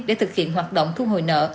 để thực hiện hoạt động thu hồi nợ